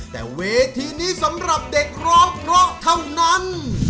แต่เวทีนี้สำหรับเด็กร้องเพราะเท่านั้น